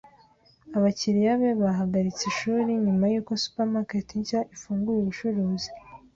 Abakiriya be bahagaritse ishuri nyuma yuko supermarket nshya ifunguye ubucuruzi.